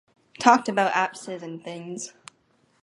Talked about apses and things.